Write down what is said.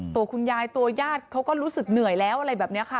ตัวคุณยายตัวญาติเขาก็รู้สึกเหนื่อยแล้วอะไรแบบนี้ค่ะ